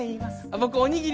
僕おにぎり。